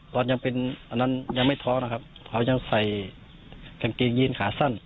ตอนยังเป็นอันนั้นยังไม่ท้องนะครับเขายังใส่กางเกงยีนขาสั้น